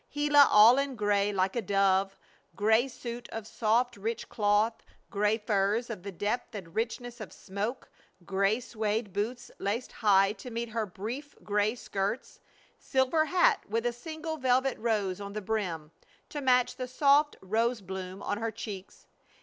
Gila all in gray like a dove, gray suit of soft, rich cloth, gray furs of the depth and richness of smoke, gray suède boots laced high to meet her brief gray skirts, silver hat with a single velvet rose on the brim to match the soft rose bloom on her cheeks.